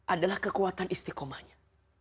adalah kekuatan istiqomahnya